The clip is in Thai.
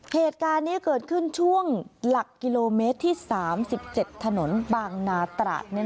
เหตุการณ์นี้เกิดขึ้นช่วงหลักกิโลเมตรที่๓๗ถนนบางนาตระ